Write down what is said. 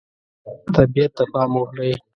طبیعت ته پام وکړئ.